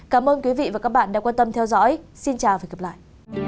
cảm ơn quý vị và các bạn đã quan tâm theo dõi xin chào và hẹn gặp lại